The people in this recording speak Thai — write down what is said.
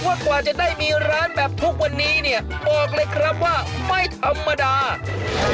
ว่ากว่าจะได้มีร้านแบบทุกวันนี้